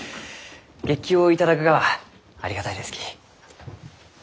月給を頂くがはありがたいですき。